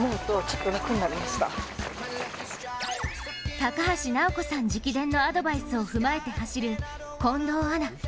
高橋尚子さん直伝のアドバイスを踏まえて走る近藤アナ。